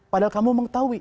padahal kamu mengetahui